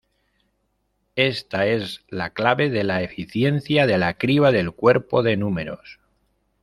Esta es la clave de la eficiencia de la criba del cuerpo de números.